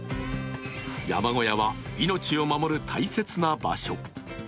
山小屋は命を守る大切な場所。